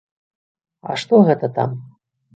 А што гэта там?